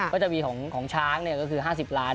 ก็จะมีของช้างก็คือ๕๐ล้าน